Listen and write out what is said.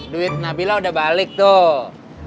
duit nabila udah balik tuh